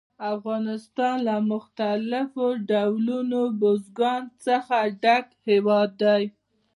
افغانستان له مختلفو ډولونو بزګانو څخه ډک هېواد دی.